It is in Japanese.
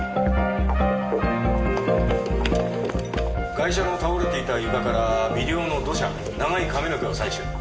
ガイシャの倒れていた床から微量の土砂長い髪の毛を採取。